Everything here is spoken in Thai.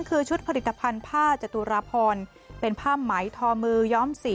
คือชุดผลิตภัณฑ์ผ้าจตุรพรเป็นผ้าไหมทอมือย้อมสี